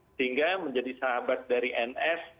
sehingga menjadi sahabat dari nf